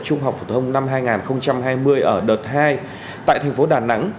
trung học phổ thông năm hai nghìn hai mươi ở đợt hai tại thành phố đà nẵng